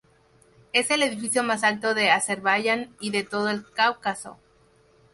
Es el edificio más alto de Azerbaiyán, y de todo el Cáucaso.